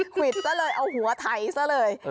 ควิดซะเลยเอาหัวไถซะเลย